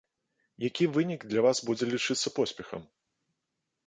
Які вынік для вас будзе лічыцца поспехам?